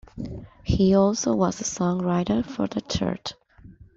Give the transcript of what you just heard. He also was a songwriter for the church.